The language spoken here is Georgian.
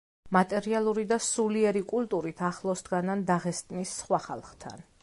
მატერიალური და სულიერი კულტურით ახლოს დგანან დაღესტნის სხვა ხალხთან.